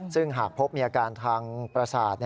ซึ่งหากพบมีอาการทางประสาท